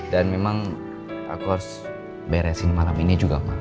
dan memang aku harus beresin malam ini juga ma